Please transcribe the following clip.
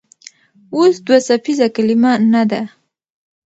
اوس دوه څپیزه کلمه نه ده.